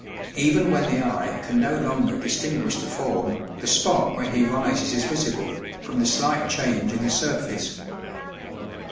Even when the eye can no longer distinguish the form, the spot where he rises is visible, from the slight change in the surface.